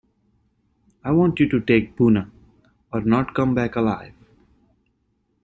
I want you to take Buna, or not come back alive.